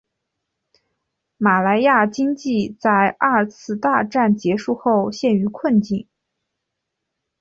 马来亚经济在二次大战结束后陷于困境。